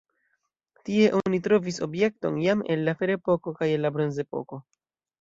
Tie oni trovis objektojn jam el la ferepoko kaj el la bronzepoko.